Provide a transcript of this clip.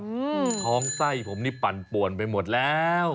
ท้องไส้ผมนี่ปั่นป่วนไปหมดแล้ว